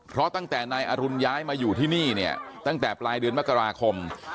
เพราะตั้งแต่นายอรุณย้ายมาอยู่ที่นี่เนี่ยตั้งแต่ปลายเดือนมกราคม